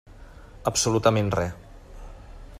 Absolutament res.